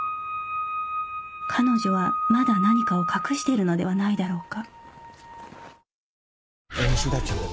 彼女はまだ何かを隠しているのではないだろうか